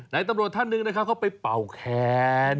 ตำรวจท่านหนึ่งนะครับเขาไปเป่าแคน